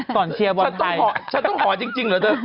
ก่อนเชียร์วอลไทยฉันต้องหอจริงเหรอเถอะ